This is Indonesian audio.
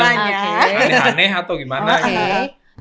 aneh aneh atau gimana